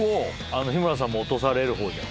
日村さんも落とされる方じゃん。